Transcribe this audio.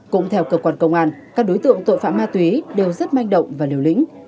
cũng theo cơ quan công an các đối tượng tội phạm ma túy đều rất manh động và liều lĩnh